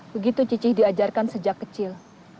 begitu cici diajarkan sejak kecil